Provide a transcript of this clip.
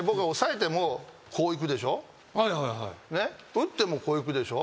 打ってもこういくでしょ。